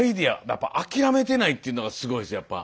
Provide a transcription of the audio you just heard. やっぱ諦めてないっていうのがすごいですやっぱ。